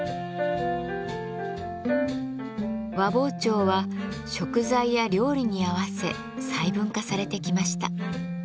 和包丁は食材や料理に合わせ細分化されてきました。